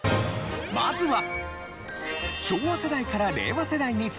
まずは。